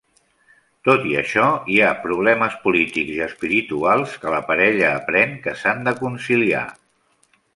Tot i això, hi ha problemes polítics i espirituals que la parella aprèn que s'han de conciliar.